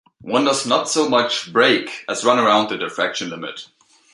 One does not so much "break" as "run around" the diffraction limit.